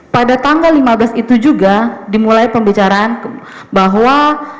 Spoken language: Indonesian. pada tanggal lima belas itu juga dimulai pembicaraan bahwa